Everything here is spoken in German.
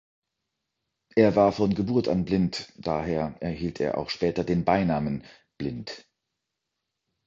Er war von Geburt an blind, daher erhielt er auch später den Beinamen „Blind“.